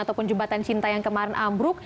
ataupun jembatan cinta yang kemarin ambruk